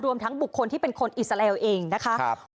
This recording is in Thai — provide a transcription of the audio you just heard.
ทั้งบุคคลที่เป็นคนอิสราเอลเองนะคะ